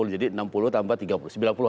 jadi enam puluh tambah tiga puluh